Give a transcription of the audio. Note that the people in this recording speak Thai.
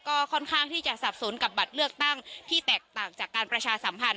ก็ค่อนข้างที่จะสับสนกับบัตรเลือกตั้งที่แตกต่างจากการประชาสัมพันธ